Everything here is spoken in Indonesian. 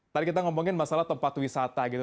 tadi kita ngomongin masalah tempat wisata gitu